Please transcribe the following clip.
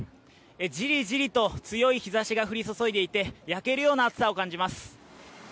じりじりと強い日差しが降り注いでいて焼けるような暑さを感じます。